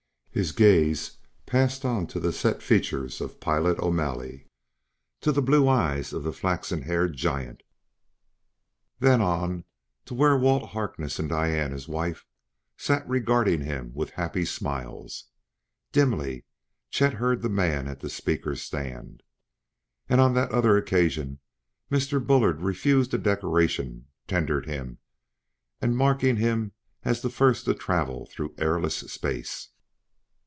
His gaze passed on to the set features of Pilot O'Malley to the blue eyes of a flaxen haired giant then on to where Walt Harkness and Diane, his wife, sat regarding him with happy smiles. Dimly Chet heard the man at the speakers' stand. " and on that other occasion, Mr. Bullard refused a decoration tendered him and marking him as the first to travel through airless space.